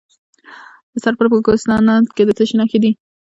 د سرپل په کوهستانات کې د څه شي نښې دي؟